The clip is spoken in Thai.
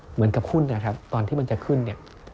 เหมือนกับหุ้นนะครับตอนที่มันจะขึ้นเนี่ย